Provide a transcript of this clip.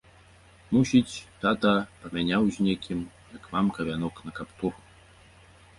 Мусіць, тата памяняў з некім, як мамка вянок на каптур.